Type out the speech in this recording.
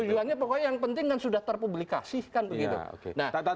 tujuannya pokoknya yang penting kan sudah terpublikasi kan begitu